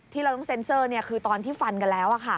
เราต้องเซ็นเซอร์คือตอนที่ฟันกันแล้ว